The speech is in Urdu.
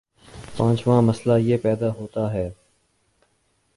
پانچواں مسئلہ یہ پیدا ہوتا ہے